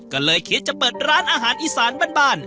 ก็เลยคิดจะเปิดร้านอาหารอีสานบ้าน